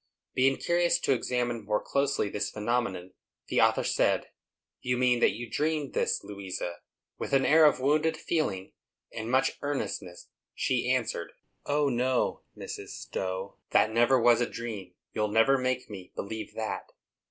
Being curious to examine more closely this phenomenon, the author said, "You mean that you dreamed this, Louisa." With an air of wounded feeling, and much earnestness, she answered, "O no, Mrs. Stowe; that never was a dream; you'll never make me believe that."